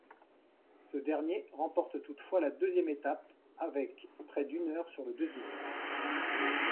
Ce dernier remporte toutefois la deuxième étape avec près d'une heure sur le deuxième.